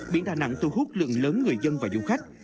biển đà nẵng thu hút lượng lớn người dân và du khách